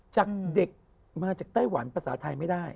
จากเด็กมาจากไต้หวันภาษาไทยไม่ได้